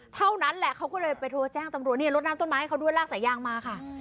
เท่านั้นแหละเขาก็เลยไปโทรแจ้งตำรวจเนี่ยลดน้ำต้นไม้ให้เขาด้วยลากสายยางมาค่ะ